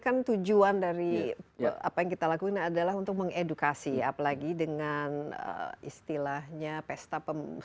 kan tujuan dari apa yang kita lakukan adalah untuk mengedukasi apalagi dengan istilahnya pesta